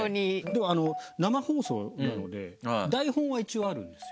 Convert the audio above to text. でも生放送なので台本は一応あるんですよ。